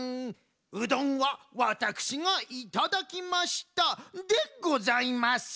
うどんはワタクシがいただきましたでございます。